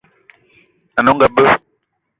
Ane onga be.